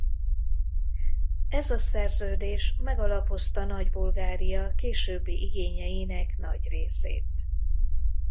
Ez a szerződés megalapozta Nagy-Bulgária későbbi igényeinek nagy részét.